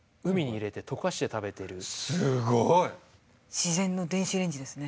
自然の電子レンジですね。